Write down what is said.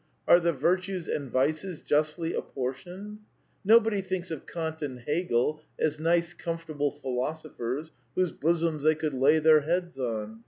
Are the vir tues and vices justly apportioned? Nobody thinks of |Eant and Hegel as nice comfortable philosophers whose jbosoms they could lay their heads on.